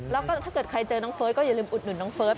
แล้วก็ถ้าเกิดใครเจอน้องเฟิร์สก็อย่าลืมอุดหนุนน้องเฟิร์ส